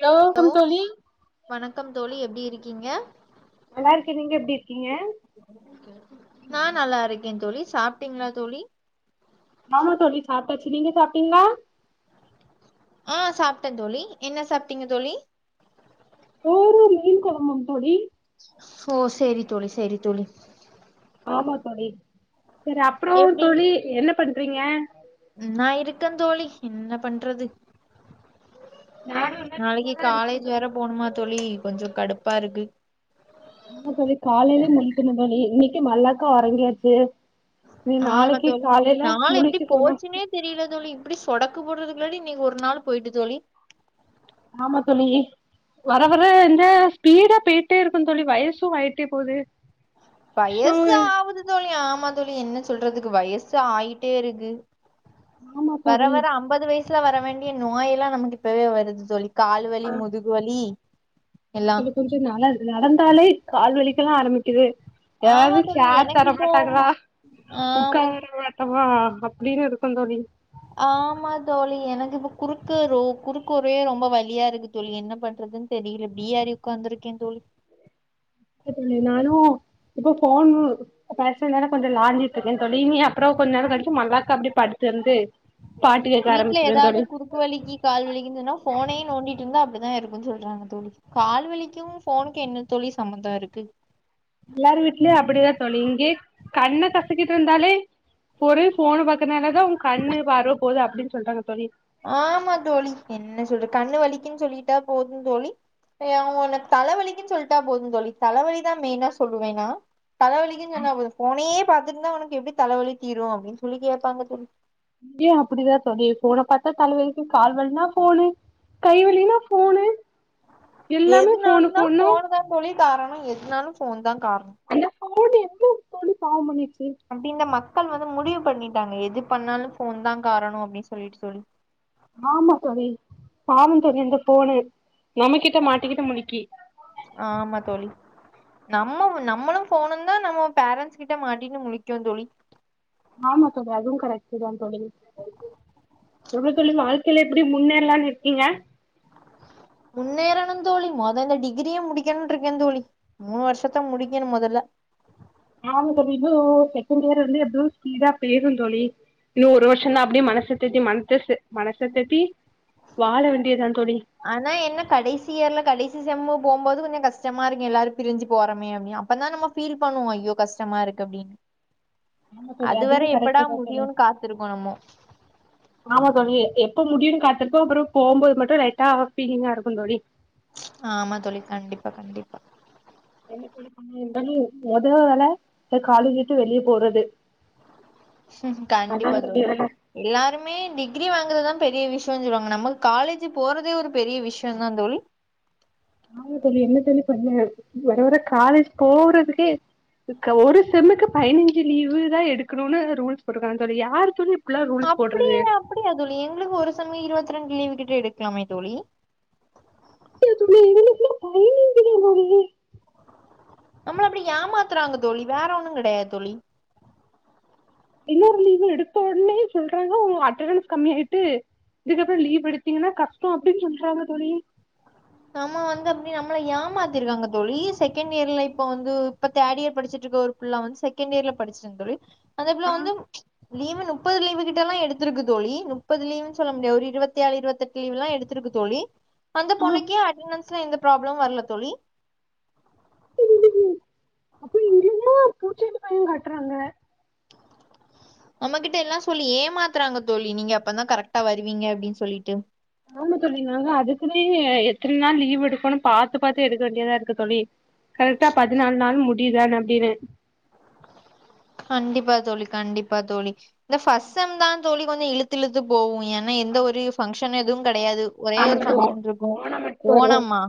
hello கொண் தோழி வணக்கம் தோழி எப்டி இருக்கீங்க நல்லா இருக்கே நீங்க எப்டி இருக்கீங்க நா நல்லா இருக்கே தோழி சாப்ட்டீங்களா தோழி ஆமா தோழி சாப்ட்டாச்சு நீங்க சாப்ட்டீங்களா ஆ சாப்ட்டே தோழி என்ன சாப்ட்டீங்க தோழி சோறூ மீன் கொழம்புங் தோழி ஓ சேரி தோழி சேரி தோழி ஆமா தோழி சேரி அப்றோ எப்டி தோழி என்ன பண்றீங்க நா இருக்க தோழி என்ன பண்றது நானு என்ன நாளைக்கு சும்மாதா இருக்கே காலேஜ் தோழி வேற போணுமா தோழி கொஞ்சோ கடுப்பாருக்கு ஆமா தோழி காலைல்லே முழிக்கனு தோழி இன்னைக்கு மல்லாக்கா உறங்கியாச்சு நீ ஆமா நாளைக்கு தோழி காலைல நாள் எப்டி முழுச்சுக்கோனு போச்சுன்னே தெரியல தோழி இப்புடி சொடக்கு போடுறதுக்குள்ளாடி இன்னிக்கி ஒரு நாளு போயிட்டு தோழி ஆமா தோழி வர வர இந்த ஸ்பீடா போயிட்டே இருக்கு தோழி வயசு ஆயிட்டே போது ஷோ வயசு ஆவுது தோழி ஆமா தோழி என்ன சொல்றதுக்கு வயசு ஆயிட்டே இருக்கு ஆமா வர தோழி வர அம்பது வயசுல வர வேண்டிய நோய் எல்லா நமக்கு இப்பவே வருது தோழி கால் வலி முது வலி எல்லா கொஞ்ச கொஞ்ச நல நடந்தாலே கால்வலிக்கலா ஆரம்பிக்குது ஆமா யாராவுது தோழி சேர் எனக்கு இப்போ தரமாட்டாங்கலா ஆமா உக்கார [unintelligible] அவா அப்பிடினு இருக்கு தோழி ஆமா தோழி எனக்கு இப்ப குறுக்கு ரோ குறுக்கு ஓரே ரொம்ப வலியா இருக்கு தோழி என்ன பண்றதுன் தெரியிர பியார்யு உக்காந்துருக்கே தோழி எட்டு புள்ளி நானு இப்ப போட்னு பசங்களோட கொஞ்ச விளாண்ட்டு இருக்க தோழி இனி அப்றோ கொஞ்ச நேரோகழிச்சு மல்லாக்கா அப்டே படுத்துஎந்து பாட்டு கேக்க ஆரம்பிச்சிருவ தோழி க்கு வலிக்கி கால் வலிக்கின் சொன்னா ஃபோனே நோண்டிட்டு இருந்தா அப்டிதா இருக்குன் சொல்றாங்க தோழி கால் வலிக்கு ஃபோனுக்கு என்ன தோழி சம்பந்தோ இருக்கு எல்லாரு வீட்லயு அப்டிதா தோழி இங்கே கண்ண கசக்கிட்டு இருந்தாலே ஒரே ஃபோனு பாக் கறனால தா உ கண்ணு பார்வ போது அப்டின் சொல்றாங்க தோழி ஆமா தோழி என்ன சொல்ற கண்ணு வலிக்குன் சொல்லிட்டா போது தோழி ஏ அவுங்க உனக் தலைவலிக்குன் சொல்ட்டா போது தோழி தலவலி தா மெயினா சொல்லுவே நா தலைவலிக்குன் சொன்னா போது ஃபோனே பாத்தட்டுந்தா உனக்கு எப்டி தலவலி தீரு அப்டினு சொல்லி கேப்பாங்க தோழி இங்கியு அப்பிடிதா தோழி ஃபோன பாத்தா தலவலிக்கு கால் வலினா ஃபோனு கைவலினா ஃபோனு எல்லாமே ஃபோனு எதுனாலுந்தா ஃபோனுனா ஃபோனு தா தோழி காரணோ எதுனாலு ஃபோன் தா காரண அந்த ஃபோனு என்ன தோழி பாவோ பண்ணுச்சி அப்டி இந்த மக்கள் வந்து முடிவு பண்ணிட்டாங்க எது பண்ணாலு ஃபோன் தா காரணோ அப்டின்னு சொல்லிட்டு சொல்லி ஆமா தோழி பாவோ தோழி அந்த ஃபோனு நம்மகிட்ட மாட்டிக்கிட்டு முளிக்கி ஆமா தோழி நம்ம நம்மளு ஃபோணு தா நம்ம பேரன்ஸ் கிட்ட மாட்டினு முழிக்கோ தோழி ஆமா தோழி அதுவு கரெக்ட்டு தா தோழி ஒரு துளி வாழ் வாழ்க்கையில எப்படி முன்னேற்லானு இருக்கீங்க முன்னேறணு தோழி மொத இந்த டிகிரிய முடிக்கனுன்றிக்கே தோழி மூணு வருஷத்த முடிக்கணு மொதல்ல ஆமா தோழி இன்னு செகண்டியர் வந்து எப்பிடியு ஸ்பீடா பேயிறு தோழி இன்னு ஒரு வருஷந்தா அப்டியே மனசதேத்தி மனச சே மனசதேத்தி வாழ வேண்டிய தா தோழி ஆனா என்ன கடைசி இயர்ல கடைசி செம்மு போம்போது கொஞ்ச கஷ்டமா இருக்கு எல்லாரு பிரிஞ்சி போறோமே அப்பிடினு அப்பதா நம்ம ஃபீல் பண்ணுவோ ஐயோ கஷ்டமா இருக்கு அப்பிடின் ஆமா தோழி அதுவர அதுவு எப்படா கரெக்ட்டு தா தோழி முடியுன் காத்திருக்கோ நம்மோ ஆமா தோழி எப்ப முடியுன் காத்துருப்போ அப்புறோ போம்போது மட்டு லைட்டா ஃபீலிங்கா இருக்கு தோழி ஆமா தோழி கண்டிப்பா கண்டிப்பா [inaudible] என்ன இருந்தாலு மொத வேல இந்த காலேஜ விட்டு வெளிய போறது அதா கண்டிப்பா தோழி வேல எல்லாருமே டிகிரி வாங்குறதா பெரிய விஷ்யோன் சொல்லுவாங்க நம்மக்கு காலேஜ் போறதே ஒரு பெரிய விஷ்யோ தா தோழி ஆமா தோழி என்ன தோழி பண்ண வர வர காலேஜ் போறதுக்கே ஒரு செம்முக்கு பதினஞ்சி லீவு் தா எடுக்குணுனு ரூல்ஸ் போட்றுக்கா தோழி யாரு தோழி இப்டிலா ரூல்ஸ் போட்றது அப்பிடியா அப்பிடியா தோழி எங்குளுக்கு ஒரு சம்மு இருவத்தி ரெண்டு லீவு கிட்ட எடுக்கலாமே தோழி இல்ல தோழி எங்களுக்குலா பதினஞ்சி தா தோழி நம்மள அப்டி ஏமாத்துறாங்க தோழி வேற ஒண்ணு கெடையா தோழி இன்னொரு லீவு எடுத்தவுட்னே சொல்றாங்க உங்க அட்டண்னஸ் கம்மியாயிட்டு இதுக்கப்புறோ லீவ் எடுத்தீங்கனா கஷ்டொ அப்டின் சொல்றாங்க தோழி நம்ம வந்து அப்டி நம்மள ஏமாத்திருக்காங்க தோழி செகண்ட் இயர்ல இப்ப வந்து இப்ப தேர்ட் இயர் படிச்சிட்டு இருக்க ஒரு புள்ள வந்து செகண்ட் இயர்ல படிச்சிருந் தோழி அந்த புள்ள ஆ வந்து லீவு நுப்பது லீவு கிட்டெல்லா எடுத்திருக்கு தோழி முப்பது லீவுன் சொல்ல முடியா ஒரு இருவத்தேழு இருவத்தெட் டு லீவ்லா எடுத்திருக்கு தோழி அந்த ஆ பொண்ணுக்கே அட்டெனென்ஸ்ல எந்த ப்ராப்ளம் வர்ல தோழி ம் அப்ப இங்கதா பூச்சாண்டி பயொ காட்றாங்க நம்மகிட்ட எல்லா சொல்லி ஏமாத்றாங்க தோழி நீங்க அப்பதா கரெக்டா வருவீங்க அப்டின் சொல்லிட்டு ஆமா தோழி நாங்க அதுக்குனே எத்தன் நாள் லீவ் எடுக்கனு பாத்து பாத்து எடுக்க வேண்டியதா இருக்கு தோழி கரெக்டா பதினாலு நாள் முடியுதான் அப்டின்னு கண்டிப்பா தோழி கண்டிப்பா தோழி இந்த ஃபர்ஸ்ட் செம் தா தோழி வந்து இழுத்து இழுத்து போகு ஏன்னா எந்த ஒரு ஃபங்க்ஷன் எதுவு கெடயாது ஒரே ஆமா ஒரு தோழி ஓ ஃபங்க்ஷன்ருக்கு ஓணம் மட்டு வரு ஓணம்மா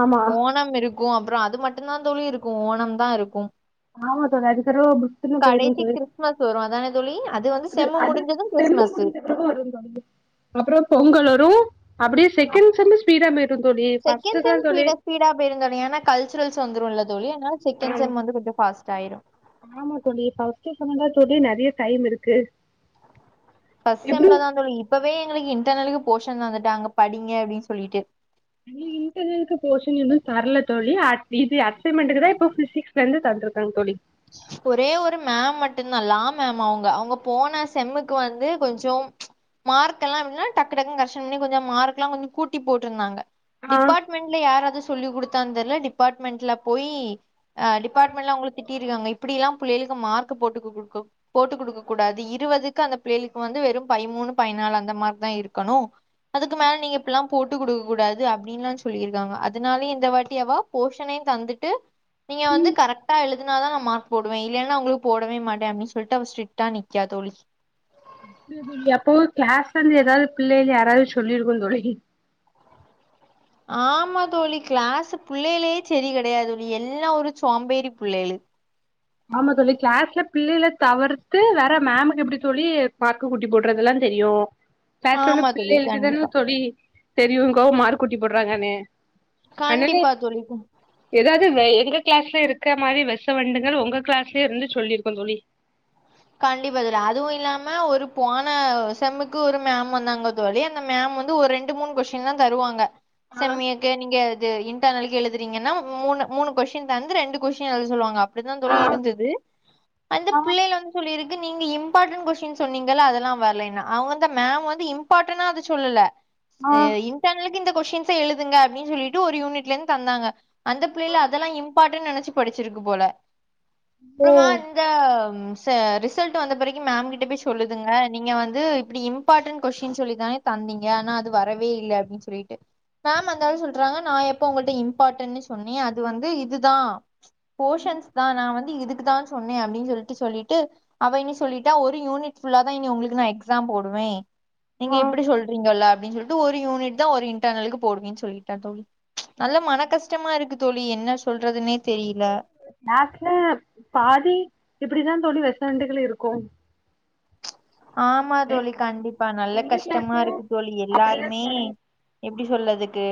ஆமா ஓணம் இருக் கு அப்புறொ அது மட்டுதா தோழி இருக்கு ஓணம் தா இருக்கு ஆமா தோழி அதுக் [unintelligible] எத்தன பேருன் கடைசி சொல்லு கிறிஸ்மஸ் வரு அதானே தோழி வந்து அது செம்மு அது முடிஞ்சது செம்மு கிறிஸ்மஸு முடிஞ்ச பிறகு வரு தோழி அப்புறோ பொங்கல் வரு அப்டியே செகண்ட் செம் ஸ்பீடா பேய்ரு தோழி செகன்ட் ஃபஸ்ட்டு தா செம் தோழி ஸ்பீடா ஸ்பீடா போயிருந் தோழி ஏன்னா கல்சூரல்ஸ் வந்துருல தோழி அனால செகண்ட் ஆமா செம் ம வந்து கொஞ்சொ ஃபாஸ்ட் ஆயிரு ஆமா தோழி ஃபர்ஸ்ட் செம் தா தோழி நெறைய டைம் இருக்கு ஃபர்ஸ்ட் எப்டி செம்ல தா தோழி இப்பவே எங்களுக்கு இன்டர்னலுக்கு போஷன் தந்துட்டாங்க படிங்க அப்டின் சொல்லிட்டு இங்க இன்டர்னல்க்கு போஷன் இன்னு தர்ல தோழி அட் இது அசைமெண்டுக்கு தா இப்போ ஃபிசிக்ஸ்ல இருந்து தந்துருக்காங்க தோழி ஒரே ஒரு மேம் மட்டுதா லா மேம் அவங்க அவங்க போன செம்முக்கு வந்து கொஞ்சோ மார்க்கெலா எப்டின்னா டக்கு டக்கு கரெக்ஷன் பண்ணி கொஞ்சொ மார்க்லா கொஞ்ச கூட்டி போட்ருந்தாங்க ஆ டிபார்ட்மெண்ட்ல யாராது சொல்லி குடுத்தான் தெர்ல டிபார்ட்மெண்ட்ல போயி அ டிபார்ட்மெண்ட்ல அவங்கள திட்டிருக்காங்க இப்டில்லா பிள்ளைகளுக்கு மார்க் போட்டு குடுக்க போட்டு குடுக்க கூடாது இருவதுக்கு அந்த பிள்ளைகளுக்கு வந்து வெறு பதிமூணு பதினாலு அந்த மாரிதா இருக்கணு அதுக்கு மேல நீங்க இப்பில்லா போட்டு குடுக்க கூடாது அப்டின்ல்லா சொல்லிருக்காங்க அதனாலே இந்த வாட்டி அவ போஷனையு தந்துட்டு நீங்க வந்து கரெக்டா எழு துனாதா நா மார்க் போடுவே இல்லைன்னா அவங்களுக்கு போடவே மாட்டே அப்டி சொல்ட்டு அவ ஸ்டிரிக்டா நிக்கா தோழி இல்ல தோழி அப்போ கிளாஸ்ல இருந்து எதாது பிள்ளைல யாராவது சொல்லி இருக்கு தோழி ஆமா தோழி கிளாஸ் பிள்ளைலே செரி கெடையாது தோழி எல்லா ஒரு சோம்பேறி பிள்ளைகளு ஆமா தோழி கிளாஸ்ல பிள்ளைல தவிர்த்து வேற மேமுக்கு எப்டி தோழி மார் கு கூட்டி போடுறதெல்லா தெரியு கிளாஸ்ல உள்ள ஆமா தோழி பிள்ளைகளுக்கு தானே கண்டிப்பா தோழி தெரியுங்கோ மார்க் கூட்டி போட்றாங்கனு கண்டிப்பா தோழி க்கு எதாது வெ எங்க கிளாஸ்ல இருக்கற மாரி வெச வண்டுங்கள் உங்க கிளாஸ்ல இருந்து சொல்லிருக்கோ தோழி கண்டிப்பா தோழி அதுவு இல்லாம ஒரு போன செம்முக்கு ஒரு மேம் வந்தாங்க தோழி அந்த மேம் வந்து ஒரு ரெண்டு மூணு கொஸ்டின் தா தருவாங்க ஆ செம்மே நீங்க இது இன்டர்னலுக்கு எழுதுறீங்கன்னா மூனு மூனு கொஸ்டின் தந்து ரெண்டு கொஸ்டின் எழுத சொல்லுவாங்க அப் அப்டிதா ஆ தோழி இருந்தது அந்த பிள்ளைல வந்து இப்டி இருக்கு நீங்க இம்பார்டன்ட் கொஸ்டின் சொன்னீங்க ல அதெல்லா வரல அவங்க வந்து மேம் வந்து இம்பார்டனா அது சொல்லல ஏ இன்டர்னலுக்கு இந்த கொஸ்டின்ஸ எழுதுங்க அப்டின் சொல்லிட்டு ஒரு யூனிட்ல இருந்து தந்தாங்க அந்த பிள்ளைல அதெல்லா இம்பார்ட்டன் நெனைச்சு படிச்சிருக்கு போல அப்புறமா இந்த ச ரிசல்ட் வந்த பிறகு மேம்கிட்ட போய் சொல்லுதுங்க நீங்க வந்து இப்டி இம்பார்டன் கொஸ்டின் சொல்லி தானே தந்தீங்க ஆனா அது வரவே இல்ல அப்டின்னு சொல்லிட்டு மேம் அந்தளவு சொல்றாங்க நா எப்போ உங்கள்ட்ட இம்பார்டன்னு சொன்னே அது வந்து இதுதா போஷன்ஸ் தா நா வந்து இதுக்குதா சொன்னே அப்டின்னு சொல்லிட்டு சொல்லி ட்டு அவ என்ன சொல்லிட்டா ஒரு யூனிட் ஃபுல்லா தா இனி உங்களுக்கு நா எக்ஸாம் போடுவே நீங்க ஆ இப்டி சொல்றீங்கல்ல அப்டின்னு சொல்லிட்டு ஒரு யூனிட் தா ஒரு இன்டர்னலுக்கு போடுவே சொல்லிட்டா தோழி நல்ல மன கஷ்டமா இருக்கு தோழி என்ன சொல்றதுன்னே தெரில கிளாஸ்ல பாதி இப்டிதா தோழி வெசவண்டுகள் இருக்கு ஆமா தோழி கண்டிப்பா நல்ல கஷ்டமா இருக்கு தோழி எல்லாருமே எப்டி சொல்லதுக்கு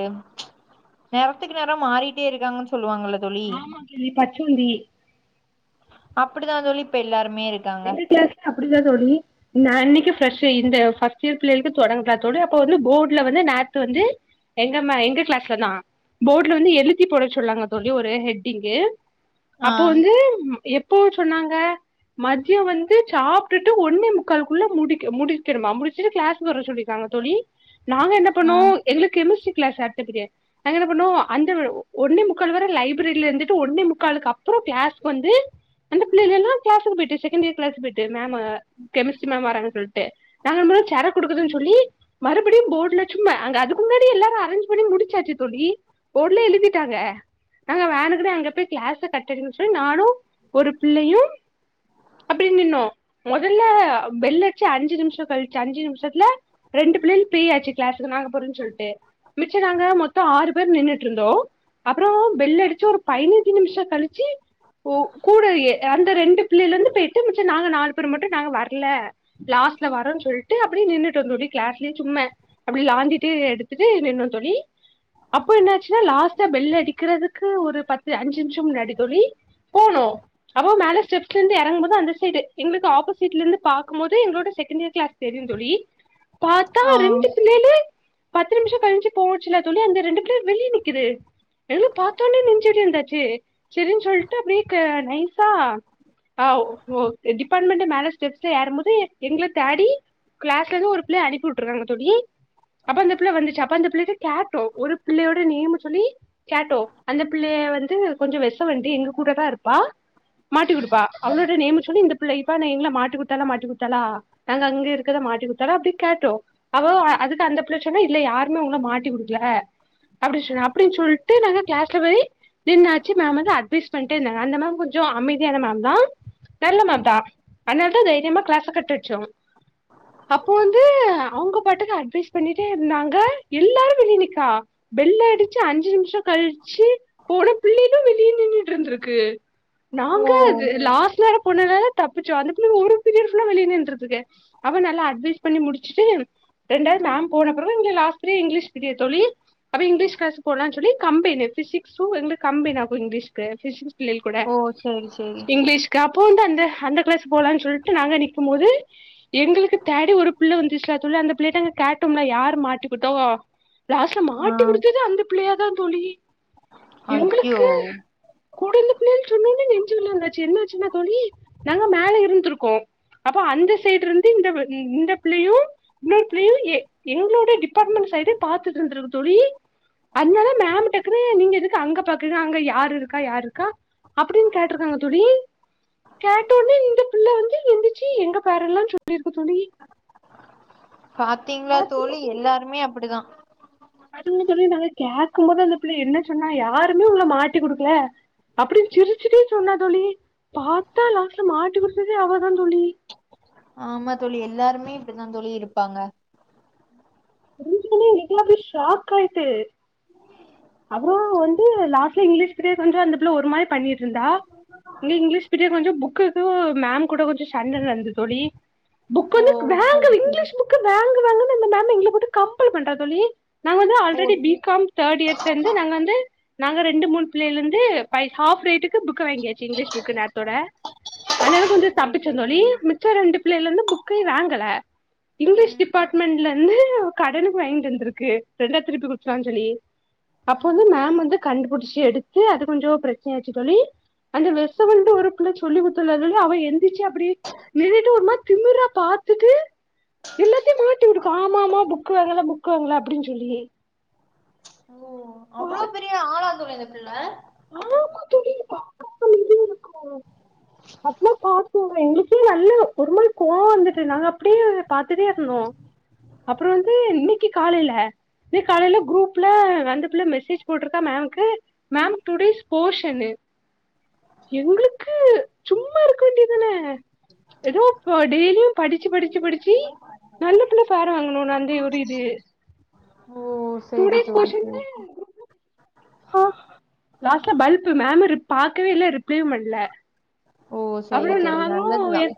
நெறத்துக்கு நெறோ மாறிட்டே இருக்காங்கன்னு சொல்லுவாங்கல்ல தோழி ஆமா தோழி பச்சோந்தி அப்டிதா தோழி இப்ப எல்லாருமே இருக்காங்க எங்க கிளாஸ்லயு அப்டிதா தோழி நா அன்னிக்கு ஃப்ரெஷ்ஷா இந்த ஃபர்ஸ்ட் இயர் பிள்ளைகளுக்கு தொடங்குதா தோழி அப்ப வந்து போர்ட்ல வந்து நேத்து வந்து எங்கம்மா எங்க கிளாஸ்லதா போர்ட்ல வந்து எழுதி போட சொல்லாங்க தோழி ஒரு ஹெட்டிங்கு அப்போ ஆம் வந்து எப்போ சொன்னாங்க மதியோ வந்து சாப்ட்டுட்டு ஒன்னே முக்கால்க்குள்ள முடி முடிக்கணுமா முடிச்சுட்டு கிளாஸ் வர சொல்லிருக்காங்க தோழி நாங்க என்ன ஆ பண்ணோ எங்குளுக்கு கெமிஸ்ட்ரி கிளாஸ் அடுத்த பீரீயட் நாங்க என்ன பண்ணோ அந்த ஒன்னே முக்கால் வர லைப்ரரில இருந்துட்டு ஒன்னே முக்காளுக்கு அப்புறோ கிளாஸ்க்கு வந்து அந்த புள்ளைகளெல்லா கிளாசுக்கு போயிட்டு செகண்ட் இயர் கிளாசுக்கு போயிட்டு மேம் கெமிஸ்ட்ரி மேம் வராங்க சொல்ட்டு நாங்க இப்பதா சர கொடுக்குதுன்னு சொல்லி மறுபடியு போர்டுல சும்மா அங்க அதுக்கு முன்னாடி எல்லாரு அரேஞ்ச் பண்ணி முடிச்சாச்சு தோழி போட்ல எழுதிட்டாங்க நாங்க வேணுக்குனே அங்க போய் கிளாஸ கட்டடிக்கனு சொல்லி நானு ஒரு பிள்ளையும் அப்டியே நின்னோ முதல்ல பெல்லச்சு அஞ்சு நிமிஷோ கழிச்சு அஞ்சு நிமிஷத்துல ரெண்டு பிள்ளைல பிரியாச்சு கிளாஸுக்கு நாங்க போறோன்னு சொல்ட்டு மிச்ச நாங்க மொத்தோ ஆறு பேர் நின்னுட்டுருந்தோ அப்புறோ பெல்லடிச்சு ஒரு பதினைஞ்சு நிமிஷோ கழிச்சு கூட அந்த ரெண்டு பிள்ளையிலந்து பெய்ட்டு மிச்ச நாங்க நாலு பேர் மட்டு நாங்க வரல லாஸ்ல வரோன்னு சொல்ட்டு அப்டே நின்னுட்டோ தோழி கிளாஸ்லயே சும்ம அப்டிலாந்திட்டு எடுத்துட்டு நின்னோ தோழி அப்போ என்னாச்சுன்னா லாஸ்ட்டா பெல்லடிக்கிறதுக்கு ஒரு பத்து அஞ்சு நிம்ஷோ முன்னாடிதோழி போனோ அப்போ மேல ஸ்டெப்ஸ் ப்லருந்து எறங்கும்போது அந்த சைடு எங்களுக்கு அப்போசிட்ல இருந்து பாக்கும் போது எங்களோட செகண்ட் இயர் கிளாஸ் தெரியு தோழி பாத்தா ஆ ரெண்டு பிள்ளையலு பத்து நிமிஷோ கழிஞ்சு போச்சுல தோழி அந்த ரெண்டு பேரு வெளிய நிக்குது நின்னு பாத்தோனே நெஞ்சு வலி வந்தாச்சு சரின்னு சொல்ட்டு அப்டியே நைஸா ஆ டிபார்ட்மெண்ட் மேல ஸ்டெப்ஸ்ல ஏறும் போது எங்கள தேடி கிளாஸ்லருந்து ஒரு பிள்ளைய அனுப்பி விட்டுருக்காங்க தோழி அப்ப அந்த பிள்ள வந்துச்சு அப்ப அந்த பிள்ளட கேட்டோ ஒரு பிள்ளயோட நேமு சொல்லி கேட்டோ அந்த பிள்ளைய வந்து கொஞ்ச வெசவண்டி எங்க கூட தா இருப்பா மாட்டி குடுப் ப்பா அவளோட நேம சொல்லி இந்த பிள்ளை இஃபான எங்கள மாட்டி குத்தால மாட்டி குத்தால நாங்க அங்க இருக்கிற மாட்டிகுட்டல அப்டி கேட்டோ அவோ அதுக்கு அந்த பிள்ள சொன்ன இல்ல யாருமே உங்கள மாட்டி குடுக்கல அப்டி சொன்ன அப்டின்னு சொல்லிட்டு நாங்க கிளாஸ்ல போய் நின்னாச்சி மேம் வந்து அட்வைஸ் பண்ணிட்டே இருந்தங்க அந்த மேம் கொஞ்ச அமைதியான மேம் மேம் நல்லமேம் தா அதனால்தா தைரியமா கிளாஸ் கட்டுடிச்சோ அப்போ வந்து அவங்க பாட்டுக்கு அட்வைஸ் பண்ணிட்டே இருந்தாங்க எல்லாரு வெளியா நிக்கா பேல்லடிச்சு அஞ்சு நிமிஷோ கழிச்சி போன பிள்ளைடடும் வெளிய நின்னுட்டுருந்திருக்கு நா ஹலோ லாஸ்ட் நேர போனனால தப்பிச்சோ அந்த புள்ள ஒரு பீரியட் ஃபுல் ஆ வெளிய நின்னுற்றுந்திருக்கு அவ நல்லா அட்வைஸ் பண்ணி முடிச்சுட்டு ரெண்டாவது மேம் போன பிறகு [unintelligible] லாஸ்டு ப்ரியட் இங்கிலீஷ் ப்ரியட் தோழி அப்ப இங்கீஷ்கிளாஸ் போலானு சொல்லி கம்பைன்னு ஃபிசிக்ஸ்வு ரெண்டு கம்பைன்னு ஆகு இங்கிலீஷ்க்கு ஃபிசிக்ஸ் கூட ஓ சேரி சேரி இங்கிலீஷ்க்கு அப்போ வந்து அந்த அந்த கிளாஸ் போகலானு சொல்ட்டு நாங்க நிக்கு போது எங்களுக்கு தேடி ஒரு பிள்ள வந்துச்சுலா தோழி அந்த பிள்ளயிட்ட கேட்டோம்ல யார் மாட்டிக்கிட்டோ லாஸ்ட்ல ஆ மாட்டி குடுத்ததே அந்த பிள்ளையாதா தோழி ஐயோ எங்களுக்கு கூட இருந்த பிள்ள சொன்னோனே நெஞ்சு வலி வந்துச்சு என்னாச்சுஇ ன்ன தோழி நாங்க மேல இருந்திருக்கோ அப்ப அந்த சைடுருந்து இந்த இந்த பிள்ளையு இன்னொரு பிள்ளையும் எங்களோடைய டிபார்ட்மெண்ட் சைடு பாத்துட்டு இருந்ருக்கு தோழி அதனால மேம் டக்குன்னு நீங்க எதுக்கு அங்க பாக்குறீங்க அங்க யாரு இருக்கா யாருக்கா அப்டின்னு கேட் ருக்காங்க தோழி கேட்டோனே இந்த பிள்ளை வந்து எந்திரிச்சு எங்க பேரெல்லா சொல்லிருக்கு தோழி பாத்தீங்களா பாத்தீங்க தோழி எல்லாருமே அப்டிதா அதுன்னு தோழி நாங்க கேக்கும் போது அந்த பிள்ளை என்ன சொன்னா யாருமே உங்கள மாட்டி குடுக்கல அப்டின்னு சிரிச்சிட்டே சொன்னா தோழி பாத்தா லாஸ்ட்ல மாட்டி குடுத்ததே அவதா தோழி ஆமா தோழி எல்லாருமே இப்டிதா தோழி இருப்பாங்க தெரிஞ்சோனே எனக்கெல்லா அப்டியே ஷாக் ஆயிட்டு அப்றோ வந்து லாஸ்ட்ல இங்கிலீஷ் பீரியட் கொஞ்சோ அந்த பிள்ள ஒரு மாரி பண்ணிட்டுருந்தா இங்க இங்கிலீஷ் பீரியட் கொஞ்ச புக்குக்கு மேம் கூட கொஞ்ச சண்ட நடந்தது தோழி புக் ஓ வந்து வாங்கு சரி சரி இங்கிலீஷ் புக்க வாங்கு வாங்குனு எங்கள போட்டு கம்பல் பண்றா தோழி நாங்க வந்து ஓ ஆல்ரெடி பி காம் தேர்ட் இயர்ல இருந்து நாங்க வந்து நாங்க ரெண்டு மூணு புள்ளையில இருந்து பை ஹாஃப் ரேட்டுக்கு புக் வாங்கியாச்சு இங்கிலீஷ் புக்கு நேரத்தோட ஆனால கொஞ்ச ஓ தப்பிச்ச சரி தோழி ச்ச ரெண்டு பிள்ளைலந்து புக்கை வாங்கல இங்கிலீஷ் ம் டிபார்ட்மெண்ட்லருந்து கடனுக்கு வாங்கிட்டு வந்துதிருக்கு ரெண்டா திருப்பி குடுத்தரலா சொல்லி அப்போ ம் வந்து மேம் வந்து கண்டுபுடிச்சு எடுத்து அது கொஞ்சோ பிரச்சனையாச்சு தோழி அந்த வேஷவண்டு ஒரு புல்ல சொல்லி குத்தால தோழி அவ எந்திச்சு அப்டி நின்னுட்டு ஒரு மாரி திமிரா பாத்துட்டு எல்லாத்தையு மாட்டி விடுக்கு ஆமா ஆமா புக்கு வாங்கங்களா புக்கு வாங்கங்களா அப்டின்னு சொல்லி ஒ அவ்ளோ பெரிய ஆளா [unintelligible] இந்த பிள்ள ஆமா தோழி [inaudible] இர்க்கு அட்ல பாத்தோங்க எங்ளுக்கே நல்லா ஒருமாரி கோவோ வந்துட்டு நாங்க அப்டியே பாத்துட்டே இருந்தோ அப்றோ வந்து இன்னிக்கி காலைல இன்னிக் காலைல குரூப்ல அந்த பிள்ள மெசேஜ் போட்ருக்கா மேம்க்கு மேம் டுடேஸ் போர்ஷனு எங்ளுக்கு சும்மாருக்க வேண்டிதானே எதோப்ப டெய்லியு படிச்சு படிச்சு படிச்சி நல்ல பிள்ள பேரு வாங்கனுன் அந்த ஒரு இது ஓ டூ சேரி டேஸ் தோழி சேரி போ லாஸ்ட்ல பல்ப்பு மேம் ரி பாக்கவே இல்ல ரிப்ளேவு பண்ல ஓ, சரி அவளு தோழி நானு நல்லதுதா எ